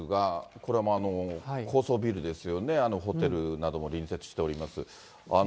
これも高層ビルですよね、ホテルなども隣接しております。